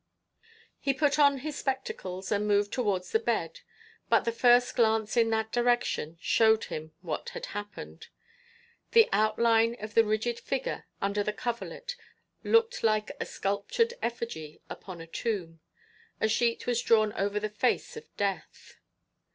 He put on his spectacles, and moved towards the bed; but the first glance in that direction showed him what had happened. The outline of the rigid figure under the coverlet looked like a sculptured effigy upon a tomb. A sheet was drawn over the face of death.